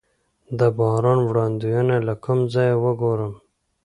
د باران وړاندوینه له کوم ځای وګورم؟